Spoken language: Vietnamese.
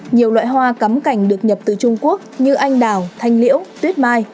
nhiều loại hoa cắm cảnh được nhập từ trung quốc như anh đào thanh liễu tuyết mai